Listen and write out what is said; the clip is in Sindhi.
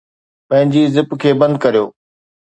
پنھنجي زپ کي بند ڪريو